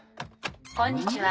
こんにちは。